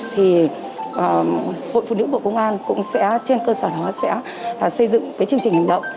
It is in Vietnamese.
thì hội phụ nữ bộ công an cũng sẽ trên cơ sở đó sẽ xây dựng cái chương trình hành động